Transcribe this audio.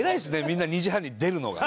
みんな２時半に出るのが。